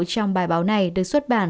trong bài báo này được xuất bản